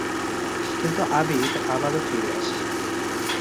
কিন্তু "আবির" আবারও ফিরে আসে।